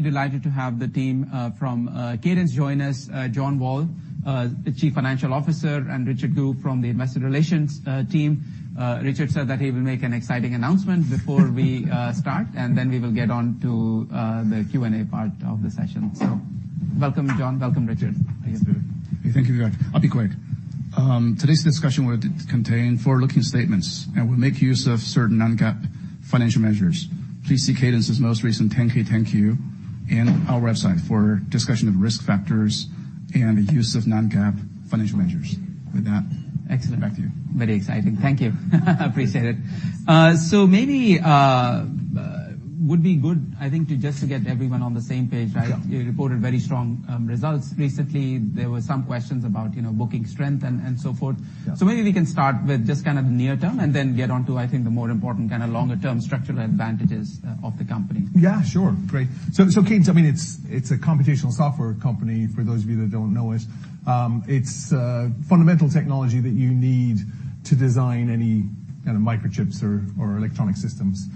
Delighted to have the team from Cadence join us. John Wall, the Chief Financial Officer; and Richard Gu from the investor relations team. Richard said that he will make an exciting announcement before we start. We will get on to the Q&A part of the session. Welcome, John. Welcome, Richard. Thank you, Vivek. I'll be quick. Today's discussion will contain forward-looking statements. We'll make use of certain non-GAAP financial measures. Please see Cadence's most recent 10-K, 10-Q, and our website for discussion of risk factors and the use of non-GAAP financial measures. With that. Excellent. Back to you. Very exciting. Thank you. Appreciate it. Maybe, would be good, I think, to just to get everyone on the same page, right? Yeah. You reported very strong results recently. There were some questions about, you know, booking strength and so forth. Yeah. Maybe we can start with just kind of the near term and then get on to, I think, the more important kind of longer-term structural advantages of the company. Cadence, I mean, it's a computational software company, for those of you that don't know it. It's fundamental technology that you need to design any kind of microchips or electronic systems.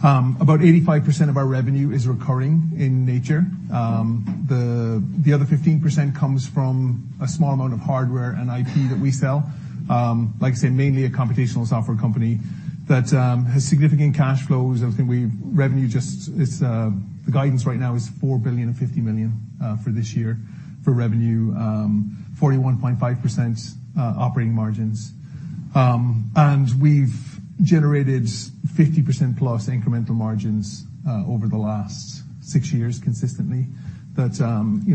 About 85% of our revenue is recurring in nature. The other 15% comes from a small amount of hardware and IP that we sell. Like I say, mainly a computational software company that has significant cash flows. I think we've revenue just is the guidance right now is $4.05 billion for this year for revenue, 41.5% operating margins. We've generated 50%+ incremental margins over the last six years consistently. You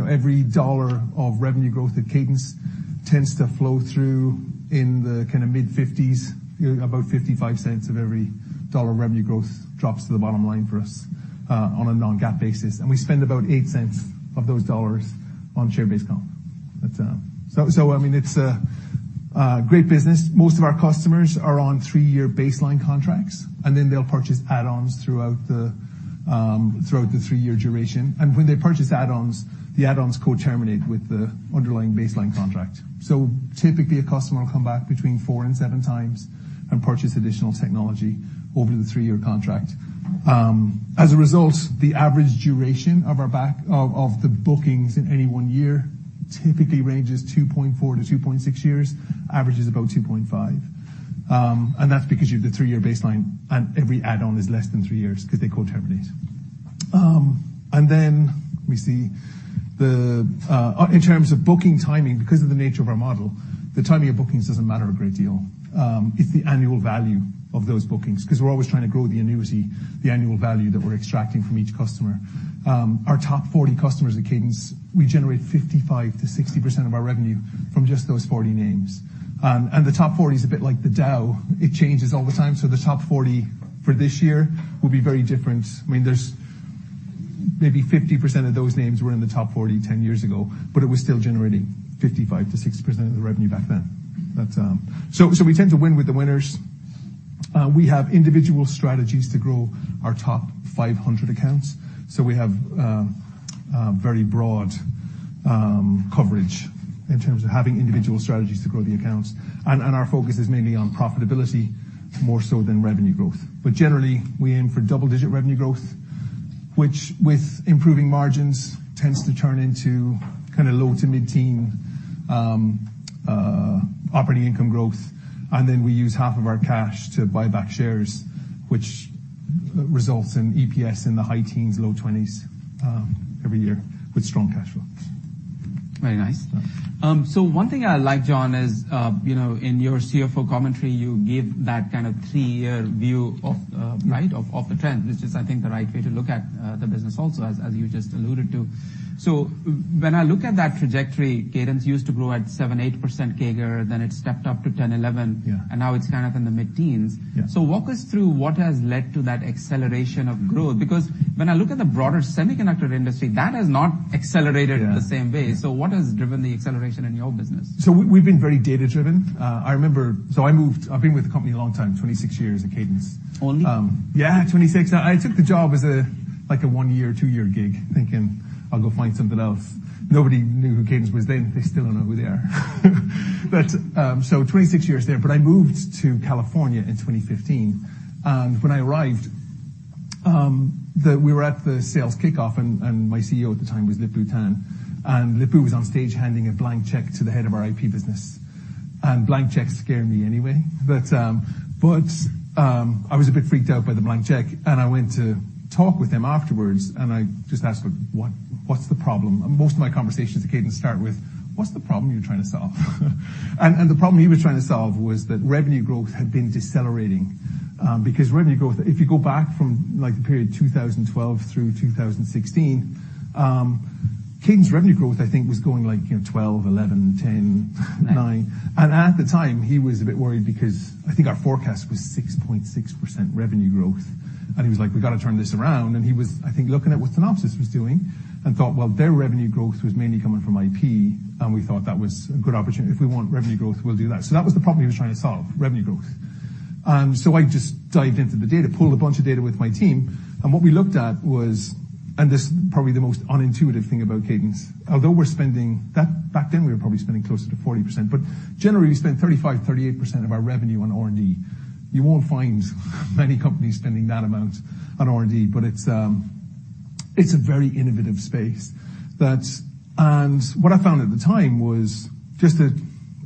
know, every dollar of revenue growth at Cadence tends to flow through in the kind of mid-50s, about $0.55 of every dollar of revenue growth drops to the bottom line for us, on a non-GAAP basis. We spend about $0.08 of those dollars on share-based compensation. That's. So, I mean, it's a great business. Most of our customers are on three-year baseline contracts, and then they'll purchase add-ons throughout the three-year duration. When they purchase add-ons, the add-ons co-terminate with the underlying baseline contract. Typically, a customer will come back between four and seven times and purchase additional technology over the three-year contract. As a result, the average duration of our back, of the bookings in any one year typically ranges 2.4-2.6 years, averages about 2.5. That's because you've the three-year baseline, and every add-on is less than three years because they co-terminate. Then we see the, in terms of booking timing, because of the nature of our model, the timing of bookings doesn't matter a great deal. It's the annual value of those bookings, because we're always trying to grow the annuity, the annual value that we're extracting from each customer. Our top 40 customers at Cadence, we generate 55%-60% of our revenue from just those 40 names. The top 40 is a bit like the Dow. It changes all the time. The top 40 for this year will be very different. I mean, there's maybe 50% of those names were in the top 40, 10 years ago, but it was still generating 55%-60% of the revenue back then. So we tend to win with the winners. We have individual strategies to grow our top 500 accounts. We have very broad coverage in terms of having individual strategies to grow the accounts. Our focus is mainly on profitability, more so than revenue growth. Generally, we aim for double-digit revenue growth, which, with improving margins, tends to turn into kind of low to mid-teen operating income growth. We use half of our cash to buy back shares, which results in EPS in the high teens, low twenties, every year with strong cash flows. Very nice. Yeah. One thing I like, John, is, you know, in your CFO commentary, you give that kind of three-year view of, right, of the trend, which is, I think, the right way to look at, the business also, as you just alluded to. When I look at that trajectory, Cadence used to grow at 7%-8% CAGR, then it stepped up to 10%-11%. Yeah. Now it's kind of in the mid-teens. Yeah. Walk us through what has led to that acceleration of growth? when I look at the broader semiconductor industry, that has not accelerated. Yeah. In the same way. What has driven the acceleration in your business? We've been very data driven. I remember. I moved, I've been with the company a long time, 26 years at Cadence. Only? Yeah, 26. I took the job like a one-year, two-year gig, thinking, "I'll go find something else." Nobody knew who Cadence was then. They still don't know who they are. So 26 years there, but I moved to California in 2015, and when I arrived, we were at the sales kickoff, and my CEO at the time was Lip-Bu Tan. Lip-Bu was on stage handing a blank check to the head of our IP business. Blank checks scare me anyway, but, I was a bit freaked out by the blank check, and I went to talk with him afterwards, and I just asked, "What's the problem?" Most of my conversations at Cadence start with, "What's the problem you're trying to solve?" The problem he was trying to solve was that revenue growth had been decelerating. Because revenue growth, if you go back from, like, the period 2012 through 2016, Cadence revenue growth, I think, was going, like, you know, 12, 11, 10, 9. Right. At the time, he was a bit worried because I think our forecast was 6.6% revenue growth, and he was like, "We've got to turn this around." He was, I think, looking at what Synopsys was doing and thought, well, their revenue growth was mainly coming from IP. We thought that was a good opportunity. If we want revenue growth, we'll do that. That was the problem he was trying to solve, revenue growth. I just dived into the data, pulled a bunch of data with my team, and what we looked was, and this is probably the most unintuitive thing about Cadence, although we're spending that, back then, we were probably spending closer to 40%, but generally, we spend 35%, 38% of our revenue on R&D. You won't find many companies spending that amount on R&D, but it's a very innovative space. That, and what I found at the time was just a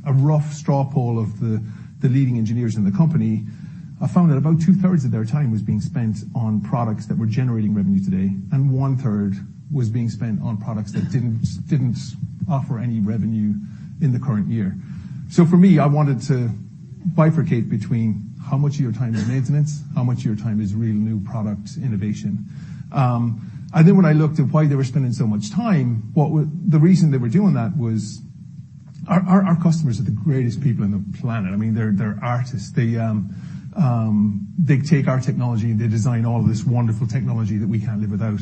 rough straw poll of the leading engineers in the company. I found that about 2/3 of their time was being spent on products that were generating revenue today, and 1/3 was being spent on products that didn't offer any revenue in the current year. For me, I wanted to bifurcate between how much of your time is maintenance, how much of your time is real new product innovation? When I looked at why they were spending so much time, the reason they were doing that was, our customers are the greatest people on the planet. I mean, they're artists. They take our technology, and they design all this wonderful technology that we can't live without.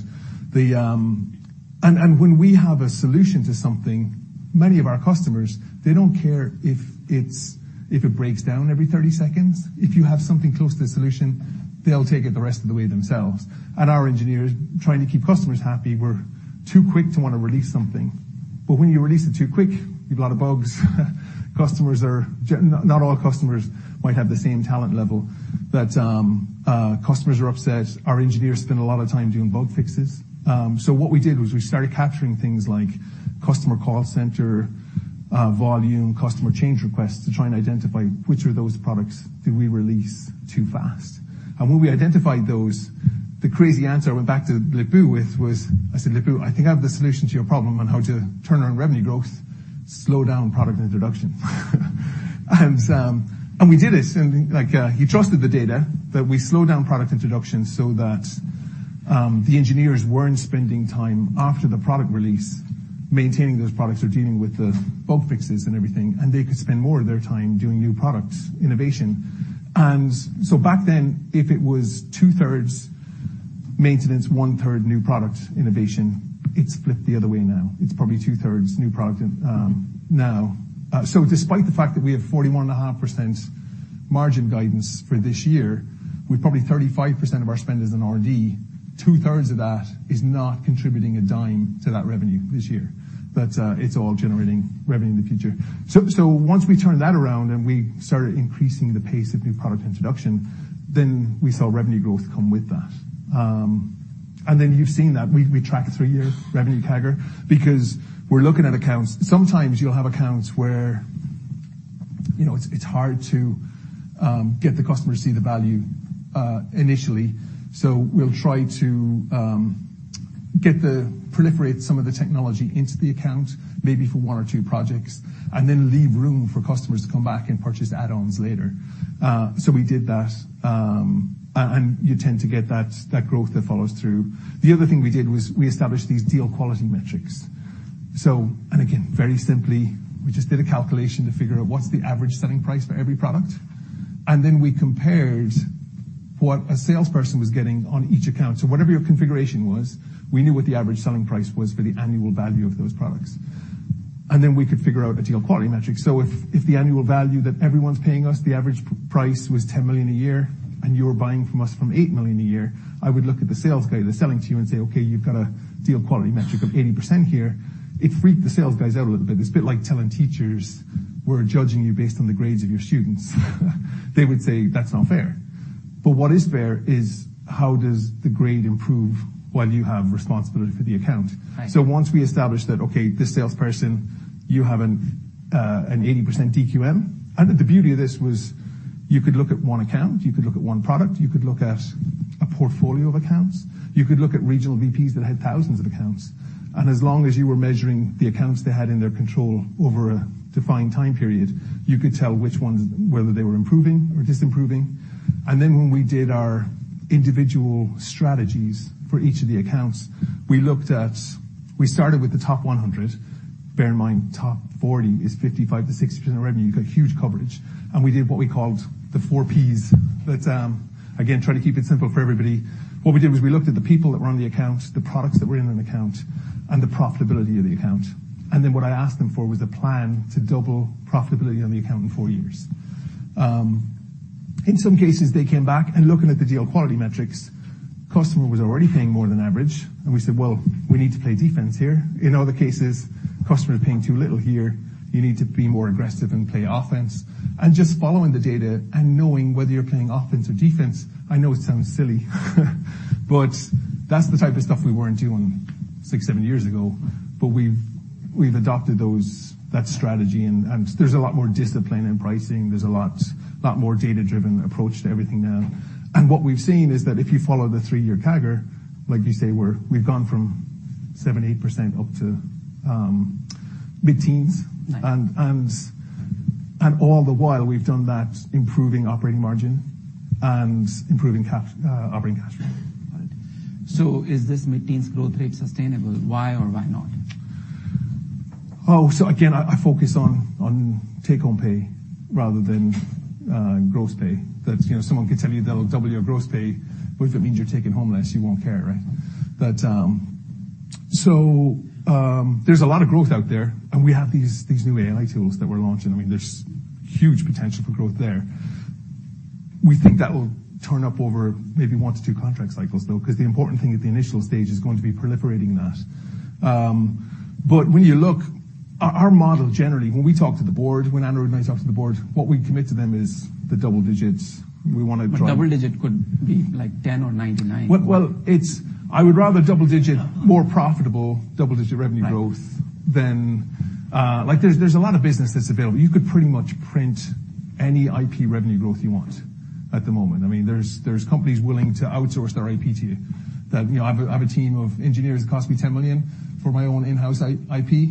When we have a solution to something, many of our customers, they don't care if it breaks down every 30 seconds. If you have something close to the solution, they'll take it the rest of the way themselves. Our engineers, trying to keep customers happy, we're too quick to want to release something. When you release it too quick, you've a lot of bugs. Customers are not all customers might have the same talent level. Customers are upset. Our engineers spend a lot of time doing bug fixes. What we did was we started capturing things like customer call center volume, customer change requests, to try and identify which of those products did we release too fast. When we identified those, the crazy answer I went back to Lip-Bu with was, I said, "Lip-Bu, I think I have the solution to your problem on how to turn around revenue growth, slow down product introduction." We did it. Like, he trusted the data, that we slowed down product introduction so that the engineers weren't spending time after the product release, maintaining those products or dealing with the bug fixes and everything, and they could spend more of their time doing new product innovation. Back then, if it was two-thirds maintenance, one-third new product innovation, it's flipped the other way now. It's probably two-thirds new product now. Despite the fact that we have 41.5% margin guidance for this year, with probably 35% of our spend is in R&D, 2/3 of that is not contributing $0.10 to that revenue this year. It's all generating revenue in the future. Once we turned that around, and we started increasing the pace of new product introduction, then we saw revenue growth come with that. Then you've seen that. We track a three-year revenue CAGR because we're looking at accounts. Sometimes you'll have accounts where, you know, it's hard to get the customer to see the value initially. We'll try to proliferate some of the technology into the account, maybe for one or two projects, and then leave room for customers to come back and purchase add-ons later. We did that, and you tend to get that growth that follows through. The other thing we did was we established these deal quality metrics. Again, very simply, we just did a calculation to figure out what's the average selling price for every product, and then we compared what a salesperson was getting on each account. Whatever your configuration was, we knew what the average selling price was for the annual value of those products. Then we could figure out a deal quality metric. If the annual value that everyone's paying us, the average price, was $10 million a year, and you were buying from us from $8 million a year, I would look at the sales guy that's selling to you and say, "Okay, you've got a deal quality metric of 80% here." It freaked the sales guys out a little bit. It's a bit like telling teachers, we're judging you based on the grades of your students. They would say, "That's not fair." What is fair is how does the grade improve while you have responsibility for the account? Right. Once we established that, this salesperson, you have an 80% DQM. The beauty of this was you could look at one account, you could look at one product, you could look at a portfolio of accounts, you could look at regional VPs that had thousands of accounts. As long as you were measuring the accounts they had in their control over a defined time period, you could tell which ones, whether they were improving or disimproving. When we did our individual strategies for each of the accounts, we started with the top 100. Bear in mind, top 40 is 55%-60% of revenue. You've got huge coverage. We did what we called the four Ps. Let's again, try to keep it simple for everybody. What we did was we looked at the people that were on the account, the products that were in an account, and the profitability of the account. Then what I asked them for was a plan to double profitability on the account in four years. In some cases, they came back, and looking at the deal quality metrics, customer was already paying more than average. We said, "Well, we need to play defense here." In other cases, "Customer is paying too little here. You need to be more aggressive and play offense." Just following the data and knowing whether you're playing offense or defense, I know it sounds silly, but that's the type of stuff we weren't doing six, seven years ago. We've adopted those, that strategy, and there's a lot more discipline in pricing. There's a lot more data-driven approach to everything now. What we've seen is that if you follow the three-year CAGR, like you say, we've gone from 7%, 8% up to mid-teens. Right. all the while, we've done that improving operating margin and improving operating cash flow. Got it. Is this mid-teens growth rate sustainable? Why or why not? Again, I focus on take-home pay rather than gross pay. You know, someone could tell you they'll double your gross pay, but if it means you're taking home less, you won't care, right? There's a lot of growth out there, and we have these new AI tools that we're launching. I mean, there's huge potential for growth there. We think that will turn up over maybe one to two contract cycles, though, 'cause the important thing at the initial stage is going to be proliferating that. Our model generally, when we talk to the board, when Andrew and I talk to the board, what we commit to them is the double digits. We wanna drive. Double digit could be like 10 or 99? Well, I would rather double-digit, more profitable, double-digit revenue growth. Right. Than, like there's a lot of business that's available. You could pretty much print any IP revenue growth you want at the moment. I mean, there's companies willing to outsource their IP to you. You know, I have a team of engineers that cost me $10 million for my own in-house IP.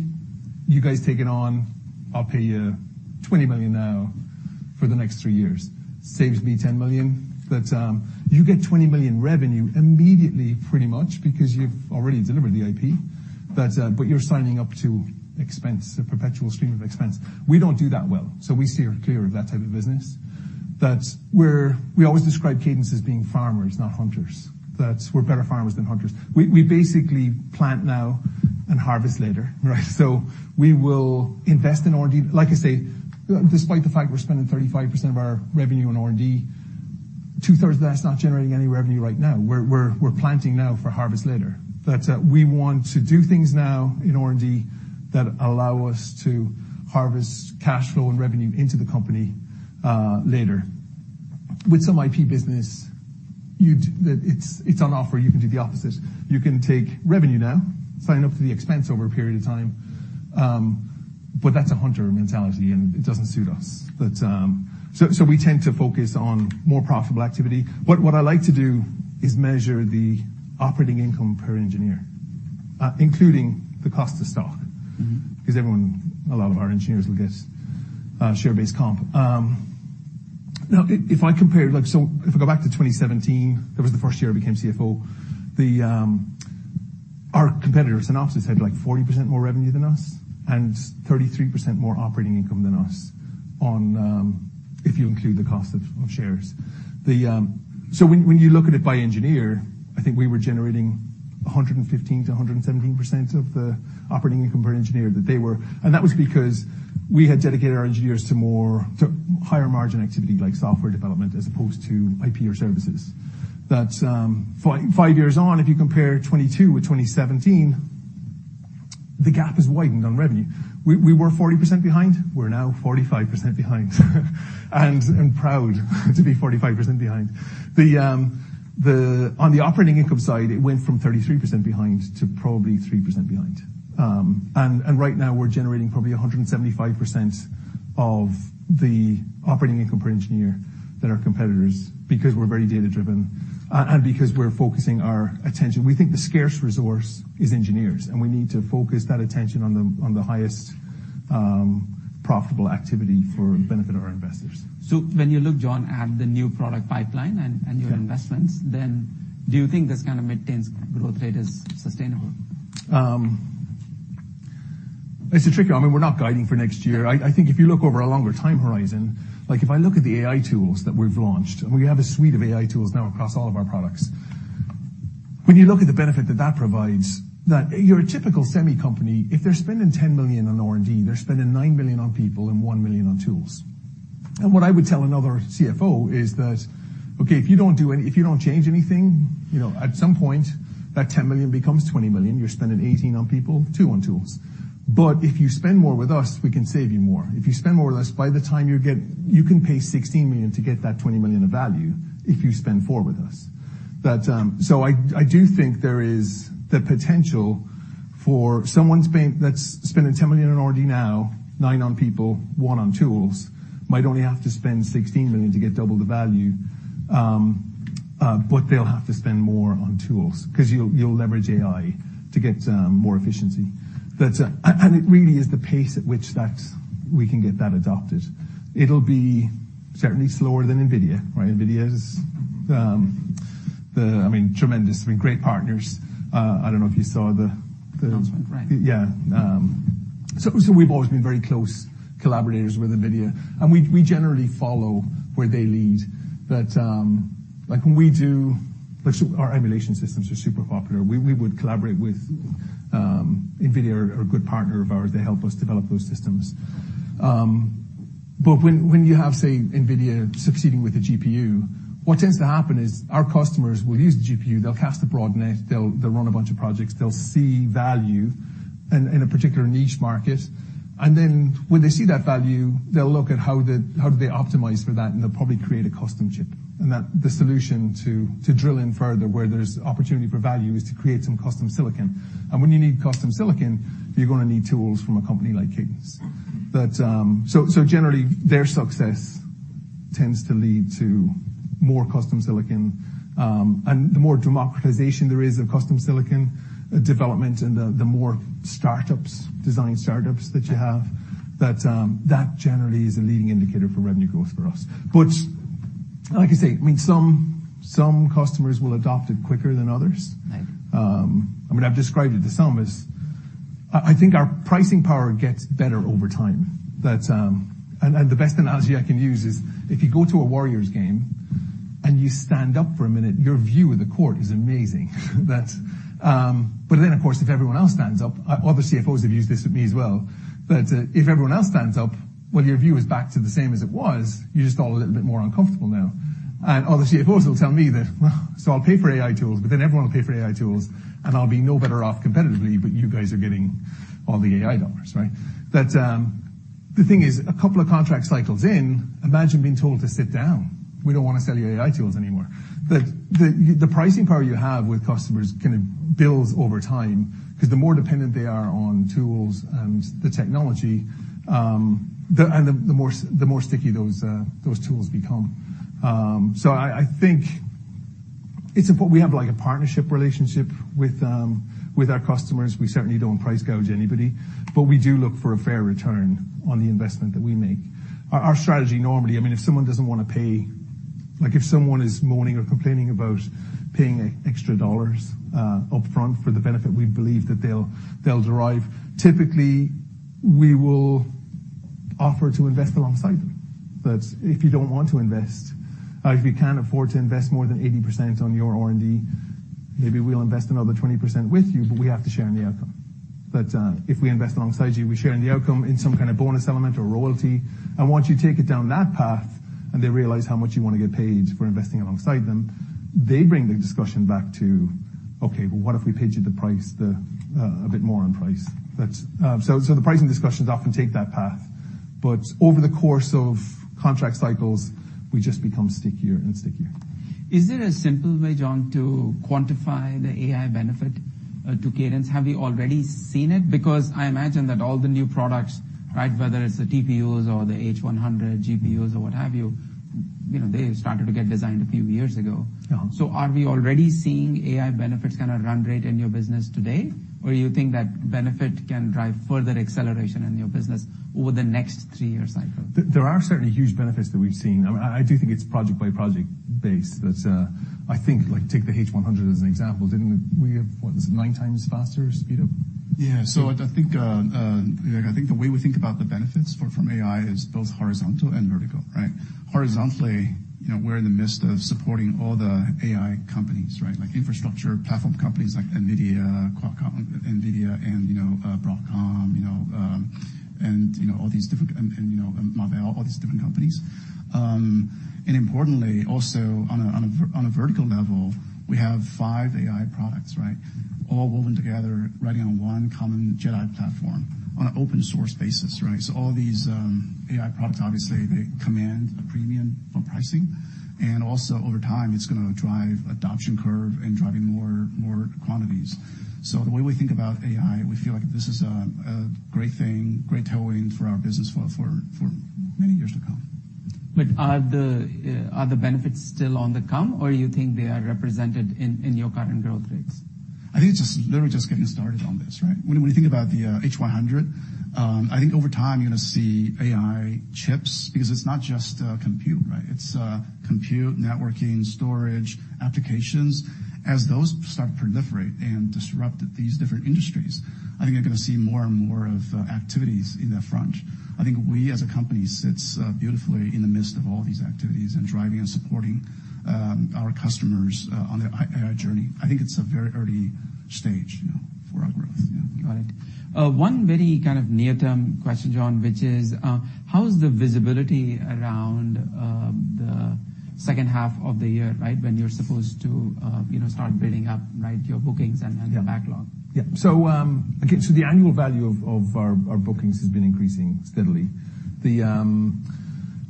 You guys take it on, I'll pay you $20 million now for the next three years. Saves me $10 million, you get $20 million revenue immediately, pretty much, because you've already delivered the IP. You're signing up to expense, a perpetual stream of expense. We don't do that well, we steer clear of that type of business. We always describe Cadence as being farmers, not hunters. That's we're better farmers than hunters. We basically plant now and harvest later, right? We will invest in R&D. Like I said, despite the fact we're spending 35% of our revenue on R&D, 2/3 of that is not generating any revenue right now. We're planting now for harvest later. We want to do things now in R&D that allow us to harvest cash flow and revenue into the company later. With some IP business, it's on offer, you can do the opposite. You can take revenue now, sign up for the expense over a period of time, that's a hunter mentality, and it doesn't suit us. We tend to focus on more profitable activity. What I like to do is measure the operating income per engineer, including the cost of stock. Everyone, a lot of our engineers will get share-based compensation. Now, if I go back to 2017, that was the first year I became CFO. Our competitor, Synopsys, had 40% more revenue than us and 33% more operating income than us on, if you include the cost of shares. When you look at it by engineer, I think we were generating 115%-117% of the operating income per engineer that they were. That was because we had dedicated our engineers to higher margin activity like software development, as opposed to IP or services. Five years on, if you compare 2022 with 2017, the gap has widened on revenue. We were 40% behind, we're now 45% behind, and proud to be 45% behind. The, on the operating income side, it went from 33% behind to probably 3% behind. Right now, we're generating probably 175% of the operating income per engineer than our competitors, because we're very data driven and because we're focusing our attention. We think the scarce resource is engineers, and we need to focus that attention on the highest profitable activity for the benefit of our investors. When you look, John, at the new product pipeline and your investments. Yeah. Do you think this kind of mid-teens growth rate is sustainable? It's a trick. I mean, we're not guiding for next year. I think if you look over a longer time horizon, like if I look at the AI tools that we've launched, and we have a suite of AI tools now across all of our products. When you look at the benefit that that provides, that your typical semi company, if they're spending $10 million on R&D, they're spending $9 million on people and $1 million on tools. What I would tell another CFO is that, okay, if you don't change anything, you know, at some point, that $10 million becomes $20 million. You're spending $18 million on people, $2 million on tools. If you spend more with us, we can save you more. If you spend more with us, by the time you get, you can pay $16 million to get that $20 million of value, if you spend $4 million with us. I do think there is the potential for someone's spend, that's spending $10 million in R&D now, $9 million on people, $1 million on tools, might only have to spend $16 million to get double the value. They'll have to spend more on tools, 'cause you'll leverage AI to get more efficiency. It really is the pace at which that, we can get that adopted. It'll be certainly slower than NVIDIA, right? NVIDIA is, I mean, tremendous, I mean, great partners. I don't know if you saw the. Announcement, right. Yeah. So, we've always been very close collaborators with NVIDIA, and we generally follow where they lead. Like our emulation systems are super popular. We would collaborate with NVIDIA are a good partner of ours. They help us develop those systems. When you have, say, NVIDIA succeeding with a GPU, what tends to happen is our customers will use the GPU, they'll cast a broad net, they'll run a bunch of projects, they'll see value in a particular niche market, and then when they see that value, they'll look at how do they optimize for that, and they'll probably create a custom chip. That the solution to drill in further where there's opportunity for value is to create some custom silicon. When you need custom silicon, you're gonna need tools from a company like Cadence. So generally, their success tends to lead to more custom silicon. The more democratization there is of custom silicon development and the more startups, design startups that you have, that generally is a leading indicator for revenue growth for us. Like I say, I mean, some customers will adopt it quicker than others. Right. I mean, I've described it to some as, I think our pricing power gets better over time. The best analogy I can use is, if you go to a Warriors game and you stand up for a minute, your view of the court is amazing. Of course, if everyone else stands up, other CFOs have used this with me as well, if everyone else stands up, your view is back to the same as it was. You're just all a little bit more uncomfortable now. Other CFOs will tell me that, "I'll pay for AI tools, but then everyone will pay for AI tools, and I'll be no better off competitively, but you guys are getting all the AI dollars," right? The thing is, a couple of contract cycles in, imagine being told to sit down. We don't want to sell you AI tools anymore. The pricing power you have with customers kind of builds over time, because the more dependent they are on tools and the technology, and the more sticky those tools become. I think it's important, we have like a partnership relationship with our customers. We certainly don't price gouge anybody, but we do look for a fair return on the investment that we make. Our strategy normally, I mean, if someone doesn't want to pay, like, if someone is moaning or complaining about paying extra dollars upfront for the benefit, we believe that they'll derive. Typically, we will offer to invest alongside them. If you don't want to invest, if you can't afford to invest more than 80% on your R&D, maybe we'll invest another 20% with you, but we have to share in the outcome. If we invest alongside you, we share in the outcome in some kind of bonus element or royalty. Once you take it down that path, and they realize how much you want to get paid for investing alongside them, they bring the discussion back to, "Okay, well, what if we paid you the price, the, a bit more on price?" So the pricing discussions often take that path, but over the course of contract cycles, we just become stickier and stickier. Is there a simple way, John, to quantify the AI benefit to Cadence? Have you already seen it? I imagine that all the new products, right, whether it's the TPUs or the H100, GPUs, or what have you know, they started to get designed a few years ago. Yeah. Are we already seeing AI benefits kind of run rate in your business today? You think that benefit can drive further acceleration in your business over the next three-year cycle? There are certainly huge benefits that we've seen. I do think it's project by project base. That's, I think, like, take the H100 as an example, didn't we have, what, 9x faster speed up? Yeah. I think the way we think about the benefits from AI is both horizontal and vertical, right? Horizontally, you know, we're in the midst of supporting all the AI companies, right? Like infrastructure platform companies like NVIDIA, Qualcomm, NVIDIA, and, you know, Broadcom, you know, and, you know, Marvell, all these different companies. Importantly, also on a vertical level, we have five AI products, right? All woven together, running on one common JedAI platform, on an open source basis, right? All these AI products, obviously, they command a premium on pricing. Also, over time, it's gonna drive adoption curve and driving more quantities. The way we think about AI, we feel like this is a great thing, great tailwind for our business for many years to come. Are the, are the benefits still on the come, or you think they are represented in your current growth rates? I think it's just, literally just getting started on this, right? When you think about the H100, I think over time, you're gonna see AI chips, because it's not just compute, right? It's compute, networking, storage, applications. As those start to proliferate and disrupt these different industries, I think you're gonna see more and more of activities in that front. I think we, as a company, sits beautifully in the midst of all these activities and driving and supporting our customers on their AI journey. I think it's a very early stage, you know, for our growth. Yeah. Got it. One very kind of near-term question, John, which is, how is the visibility around the second half of the year, right, when you're supposed to, you know, start building up, right, your bookings and your backlog? Again, the annual value of our bookings has been increasing steadily.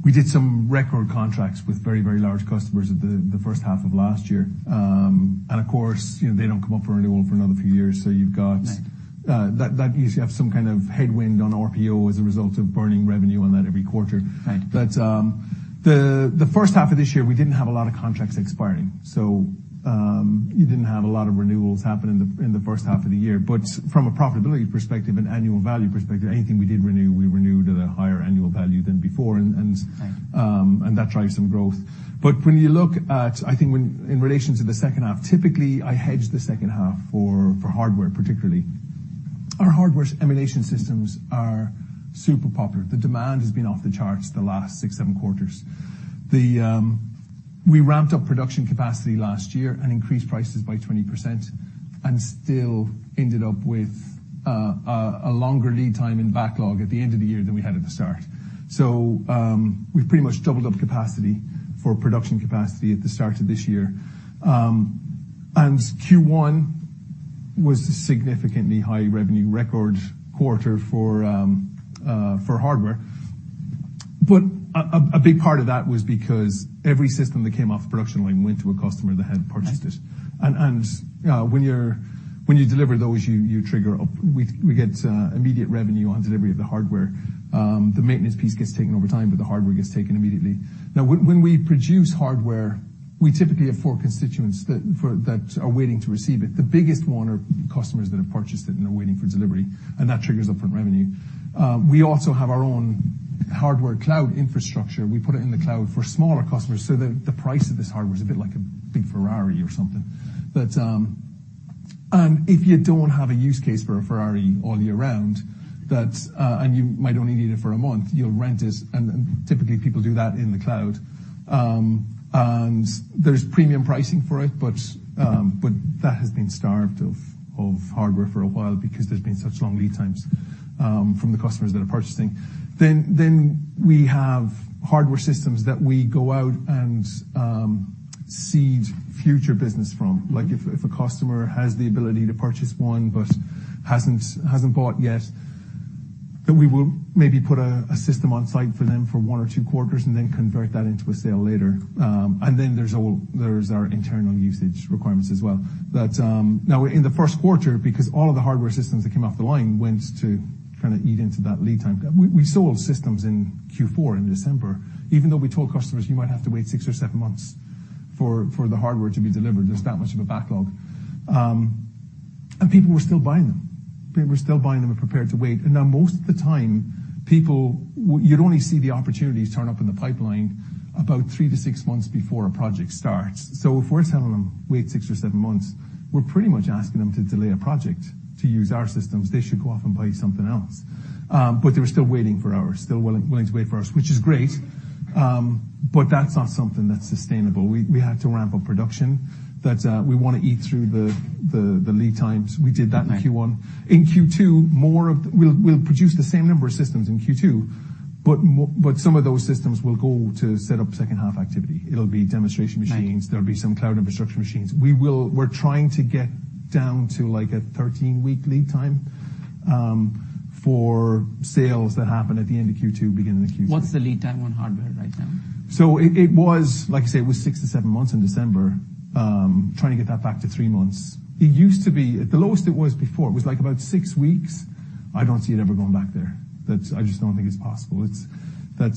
We did some record contracts with very, very large customers at the first half of last year. Of course, you know, they don't come up for renewal for another few years. Right. that you have some kind of headwind on RPO as a result of burning revenue on that every quarter. Right. The first half of this year, we didn't have a lot of contracts expiring, so you didn't have a lot of renewals happen in the first half of the year. From a profitability perspective and annual value perspective, anything we did renew, we renewed at a higher annual value than before. Right. That drives some growth. When you look at, I think when, in relation to the second half, typically, I hedge the second half for hardware, particularly. Our hardware emulation systems are super popular. The demand has been off the charts the last six, seven quarters. The, we ramped up production capacity last year and increased prices by 20% and still ended up with a longer lead time in backlog at the end of the year than we had at the start. We've pretty much doubled up capacity for production capacity at the start of this year. Q1 was a significantly high revenue record quarter for hardware. A big part of that was because every system that came off the production line went to a customer that had purchased it. Right. When you deliver those, you trigger immediate revenue on delivery of the hardware. The maintenance piece gets taken over time, the hardware gets taken immediately. When we produce hardware, we typically have four constituents that are waiting to receive it. The biggest one are customers that have purchased it and are waiting for delivery, that triggers upfront revenue. We also have our own hardware cloud infrastructure. We put it in the cloud for smaller customers, the price of this hardware is a bit like a big Ferrari or something. If you don't have a use case for a Ferrari all year round, that, you might only need it for a month, you'll rent it, typically people do that in the cloud. There's premium pricing for it, but that has been starved of hardware for a while because there's been such long lead times, from the customers that are purchasing. We have hardware systems that we go out and seed future business from. Like if a customer has the ability to purchase one but hasn't bought yet, that we will maybe put a system on site for them for one or two quarters, and then convert that into a sale later. There's our internal usage requirements as well. Now, in the first quarter, because all of the hardware systems that came off the line went to kind of eat into that lead time. We sold systems in Q4, in December, even though we told customers, "You might have to wait six or seven months for the hardware to be delivered." There's that much of a backlog. People were still buying them and prepared to wait. Now, most of the time, people, you'd only see the opportunities turn up in the pipeline about three to six months before a project starts. If we're telling them, "Wait six or seven months," we're pretty much asking them to delay a project to use our systems. They should go off and buy something else. They were still waiting for ours, still willing to wait for ours, which is great. That's not something that's sustainable. We had to ramp up production, that, we wanna eat through the lead times. We did that in Q1. Right. In Q2, We'll produce the same number of systems in Q2, but some of those systems will go to set up second half activity. It'll be demonstration machines. Right. There'll be some cloud infrastructure machines. We're trying to get down to, like, a 13-week lead time, for sales that happen at the end of Q2, beginning of Q3. What's the lead time on hardware right now? It was, like I say, it was six to seven months in December. trying to get that back to three months. It used to be. The lowest it was before, it was, like, about six weeks. I don't see it ever going back there. That's, I just don't think it's possible. It's but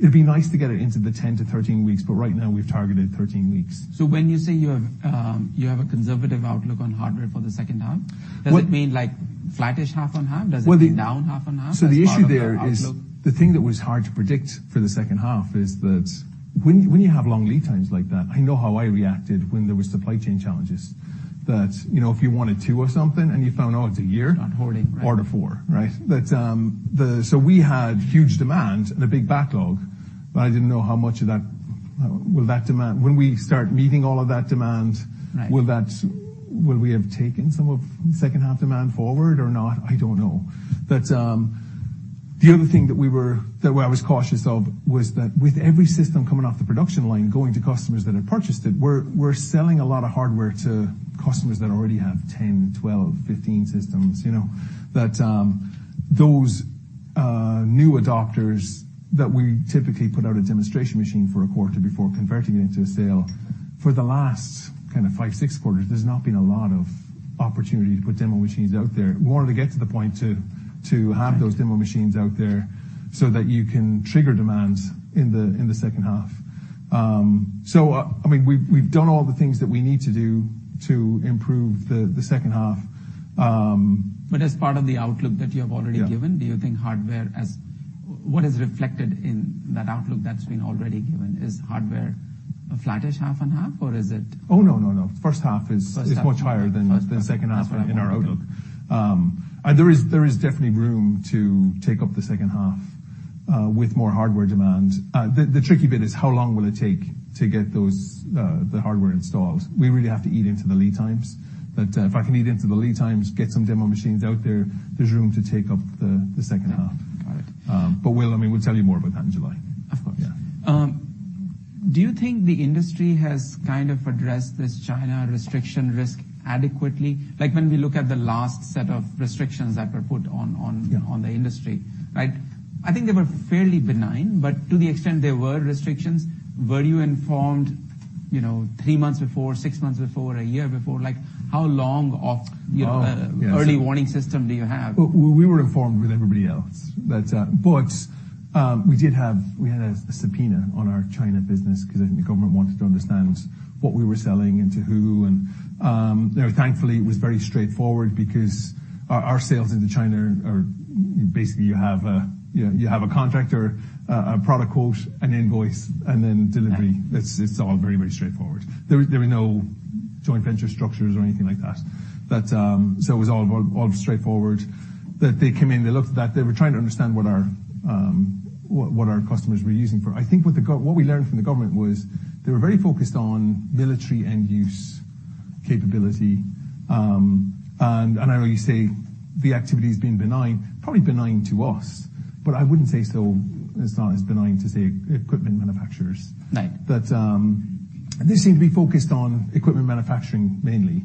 it'd be nice to get it into the 10-13 weeks, but right now we've targeted 13 weeks. When you say you have a conservative outlook on hardware for the second half? Well. Does it mean like flattish half on half? Well. Does it mean down half on half as part of your outlook? The issue there is, the thing that was hard to predict for the second half is that when you have long lead times like that, I know how I reacted when there was supply chain challenges. That, you know, if you wanted two of something, and you found out it's a year? Start hoarding, right. Order four, right? We had huge demand and a big backlog, but I didn't know how much of that, when we start meeting all of that demand. Right. will we have taken some of second half demand forward or not? I don't know. The other thing that I was cautious of, was that with every system coming off the production line, going to customers that have purchased it, we're selling a lot of hardware to customers that already have 10, 12, 15 systems, you know. Those new adopters that we typically put out a demonstration machine for a quarter before converting it into a sale, for the last kind of five, six quarters, there's not been a lot of opportunity to put demo machines out there. We want to get to the point to have those demo machines out there so that you can trigger demands in the second half. I mean, we've done all the things that we need to do to improve the second half. As part of the outlook that you have already given. Yeah. do you think hardware as, what is reflected in that outlook that's been already given? Is hardware a flattish half on half, or is it? Oh, no, no. First half. First half. Is much higher than second half in our outlook. Okay. There is definitely room to take up the second half with more hardware demand. The tricky bit is how long will it take to get those the hardware installed? We really have to eat into the lead times. If I can eat into the lead times, get some demo machines out there's room to take up the second half. Got it. We'll, I mean, we'll tell you more about that in July. Of course. Yeah. Do you think the industry has kind of addressed this China restriction risk adequately? Like, when we look at the last set of restrictions that were put on. Yeah. On the industry, right? I think they were fairly benign, but to the extent there were restrictions, were you informed, you know, three months before, six months before, a year before? Like, how long of, you know early warning system do you have? We were informed with everybody else. We had a subpoena on our China business, 'cause the government wanted to understand what we were selling and to who. Thankfully, it was very straightforward because our sales into China are, basically, you have a contract or a product quote, an invoice, and then delivery. Right. It's all very, very straightforward. There were no joint venture structures or anything like that. It was all straightforward. That they came in, they looked at that. They were trying to understand what our, what our customers were using for. I think what we learned from the government was, they were very focused on military end-use capability. I know you say the activity's been benign, probably benign to us, but I wouldn't say so, it's not as benign to, say, equipment manufacturers. Right. They seem to be focused on equipment manufacturing, mainly.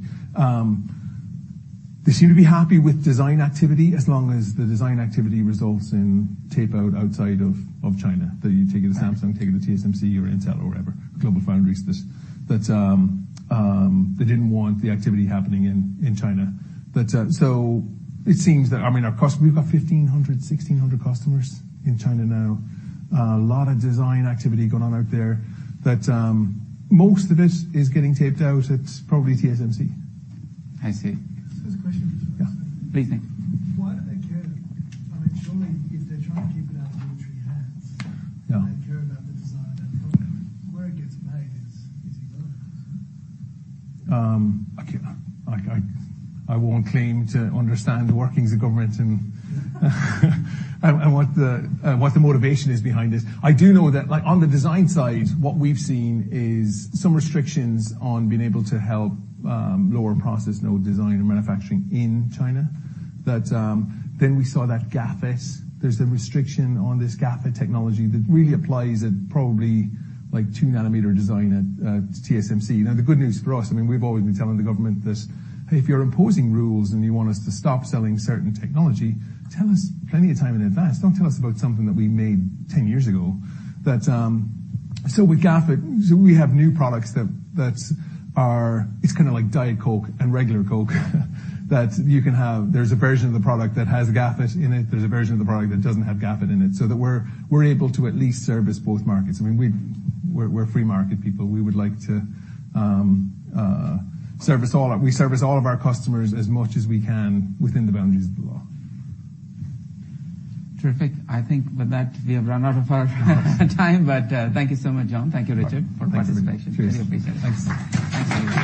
They seem to be happy with design activity, as long as the design activity results in tape-out outside of China. That you take it to Samsung. Right. Take it to TSMC or Intel or whatever, GlobalFoundries. They didn't want the activity happening in China. So it seems that, I mean, we've got 1,500, 1,600 customers in China now. A lot of design activity going on out there. Most of it is getting taped out at probably TSMC. I see. Just a question. Yeah. Please, thank you. Why do they care? I mean, surely if they're trying to keep it out of military hands. Yeah. They care about the design of that product. Where it gets made is irrelevant, isn't it? I can't, I won't claim to understand the workings of government and what the motivation is behind this. I do know that, like, on the design side, what we've seen is some restrictions on being able to help lower process node design and manufacturing in China. We saw that GaN FET. There's a restriction on this GaN FET technology that really applies at probably, like, 2nm design at TSMC. The good news for us, I mean, we've always been telling the government this: "If you're imposing rules, and you want us to stop selling certain technology, tell us plenty of time in advance. Don't tell us about something that we made 10 years ago." With GaN FET, we have new products that are. It's kinda like Diet Coke and regular Coke that you can have. There's a version of the product that has GaN FET in it. There's a version of the product that doesn't have GaN FET in it, so that we're able to at least service both markets. I mean, we're free market people. We would like to service all of our customers as much as we can within the boundaries of the law. Terrific. I think with that, we have run out of our time, but thank you so much, John. Thank you, Richard, for participation. Thanks. Thank you.